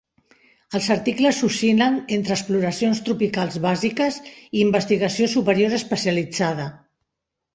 Els articles oscil·len entre exploracions tropicals bàsiques i investigació superior especialitzada.